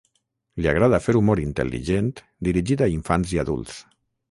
Li agrada fer humor intel·ligent dirigit a infants i adults.